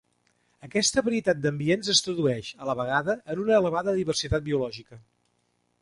Aquesta varietat d'ambients es tradueix, a la vegada, en una elevada diversitat biològica.